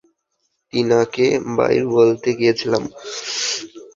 টিনাকে bye বলতে গিয়েছিলাম।